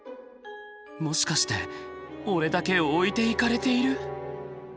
もしかして俺だけ置いていかれている？